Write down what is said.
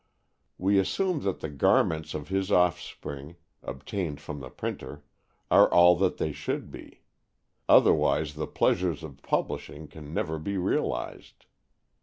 We assume that the garments of his offspring, obtained from the printer, are all that they should be. Otherwise, the pleasures of publishing can never be realized.